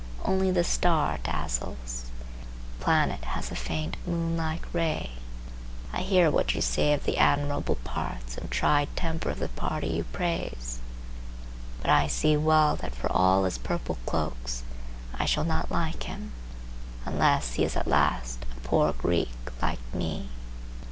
Only the star dazzles; the planet has a faint, moon like ray. I hear what you say of the admirable parts and tried temper of the party you praise, but I see well that for all his purple cloaks I shall not like him, unless he is at last a poor Greek like me.